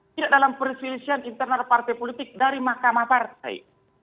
tidak dalam perselisian internal partai politik dari mahkamah partai